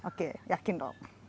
oke yakin dong